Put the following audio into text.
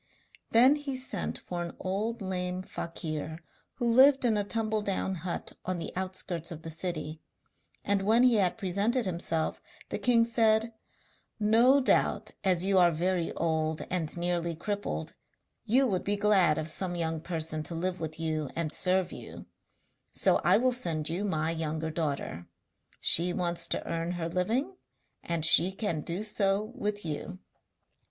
Then he sent for an old lame fakir who lived in a tumbledown hut on the outskirts of the city, and when he had presented himself, the king said: 'No doubt, as you are very old and nearly crippled, you would be glad of some young person to live with you and serve you; so I will send you my younger daughter. She wants to earn her living, and she can do so with you.'